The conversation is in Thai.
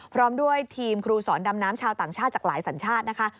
พร้อมด้วยทีมครูสอนดำน้ำชาวต่างชาติจากหลายสัญชาตินะคะ